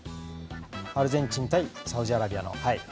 アルゼンチン対サウジアラビアの。